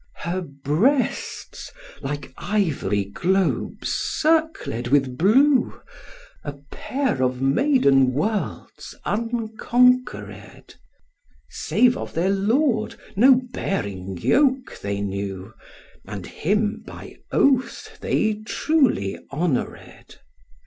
Her breasts, like ivory globes circled with blue, A pair of maiden worlds unconquered, Save of their lord no bearing yoke they knew, And him by oath they truly honoured.